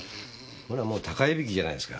ほらもう高いびきじゃないですか。